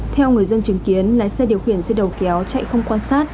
theo người dân chứng kiến lái xe điều khiển xe đầu kéo chạy không quan sát